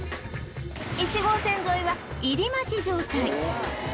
１号線沿いは入り待ち状態